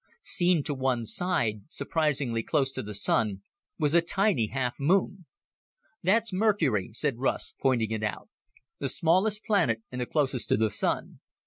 Seen to one side, surprisingly close to the Sun, was a tiny half moon. "That's Mercury," said Russ, pointing it out. "The smallest planet and the closest to the Sun.